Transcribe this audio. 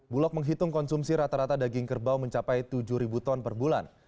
bulog menghitung konsumsi rata rata daging kerbau mencapai tujuh ton per bulan